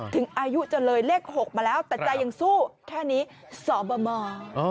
ถึงอายุจะเลยเลข๖มาแล้วแต่ใจยังสู้แค่นี้สบม